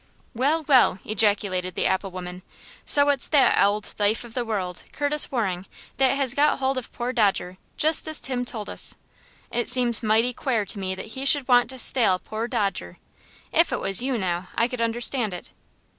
"Well, well!" ejaculated the apple woman. "So it's that ould thafe of the worruld, Curtis Waring, that has got hold of poor Dodger, just as Tim told us. It seems mighty quare to me that he should want to stale poor Dodger. If it was you, now, I could understand it."